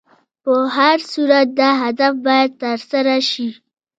په هر صورت دا هدف باید تر سره شي.